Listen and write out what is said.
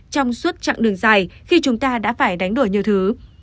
trong suốt chặng đường dài khi chúng ta đã phải đánh đổi nhiều thứ